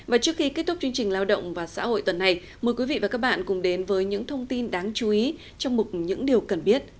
và trước khi kết thúc chương trình lao động và xã hội tuần này mời quý vị và các bạn cùng đến với những thông tin đáng chú ý trong một những điều cần biết